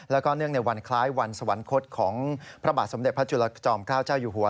แล้วก็เนื่องในวันคล้ายวันสวรรคตของพระบาทสมเด็จพระจุลจอมเกล้าเจ้าอยู่หัว